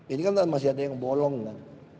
ini kan masih ada yang bolong kan